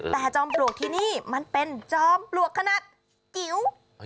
แต่จอมปลวกที่นี่มันเป็นจอมปลวกขนาดกิ๋ว